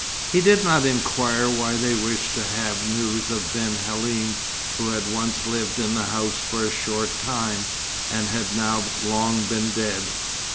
He did not inquire why they wished to have news of Ben Halim, who had once lived in the house for a short time, and had now long been dead.